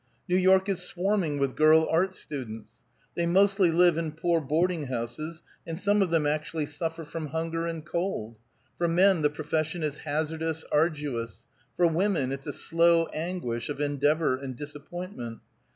New York is swarming with girl art students. They mostly live in poor boarding houses, and some of them actually suffer from hunger and cold. For men the profession is hazardous, arduous; for women it's a slow anguish of endeavor and disappointment.